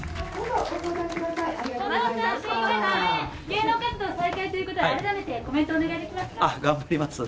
マッチさん、芸能活動再開ということで、改めてコメントお願いできますか？